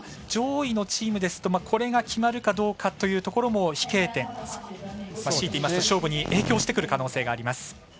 上位のチームですとこれが決まるかどうかというところ飛型点、しいていうと勝負に影響してくる可能性があります。